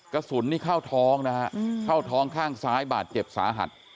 กระสุนนี่เข้าท้องนะฮะเข้าท้องข้างซ้ายบาดเจ็บสาหัส